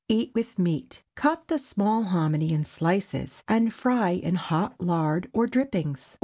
Eat with meat. Cut the small hominy in slices and fry in hot lard or drippings.